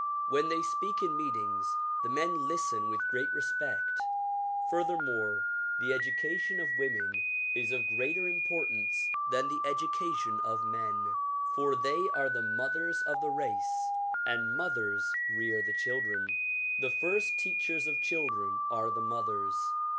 When they speak in meetings, the men listen with great respect. Furthermore, the education of women is of greater importance than the education of men, for they are the mothers of the race and mothers rear the children. The first teachers of children are the mothers.